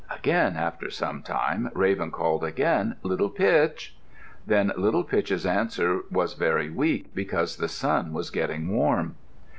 Again after some time, Raven called again, "Little Pitch!" Then Little Pitch's answer was very weak because the sun was getting warm.